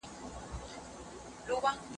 ښوونکي زدهکوونکو ته علمي لارښوونې کوي.